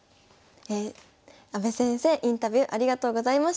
阿部先生インタビューありがとうございました。